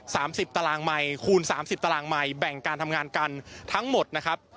สิบตารางใหม่คูณสามสิบตารางใหม่แบ่งการทำงานกันทั้งหมดนะครับ